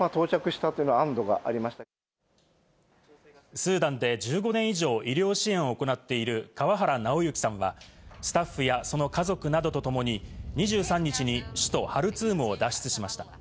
スーダンで１５年以上医療支援を行っている川原尚行さんはスタッフやその家族などとともに２３日に首都ハルツームを脱出しました。